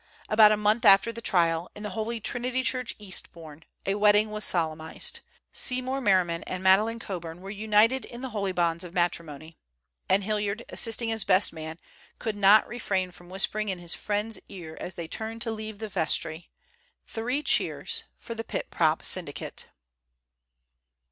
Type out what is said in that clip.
About a month after the trial, in the Holy Trinity Church, Eastbourne, a wedding was solemnized—Seymour Merriman and Madeleine Coburn were united in the holy bonds of matrimony. And Hilliard, assisting as best man, could not refrain from whispering in his friend's ear as they turned to leave the vestry, "Three cheers for the Pit Prop Syndicate!"